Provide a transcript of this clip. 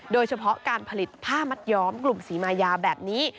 โดยเฉพาะการผลิตผ้ามัดย้อมกลุ่มศรีมายาแบบนี้